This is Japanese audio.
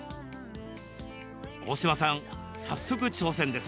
大島さん、早速挑戦です。